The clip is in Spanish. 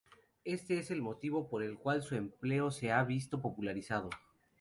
Este es el motivo por el cual su empleo se ha visto popularizado.